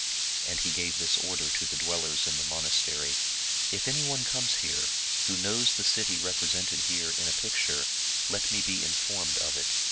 And he gave this order to the dwellers in the monastery, " If anyone comes here, who knows the city represented here in a picture, let me be in formed of it."